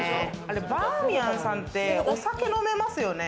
バーミヤンさんって、お酒飲めますよね？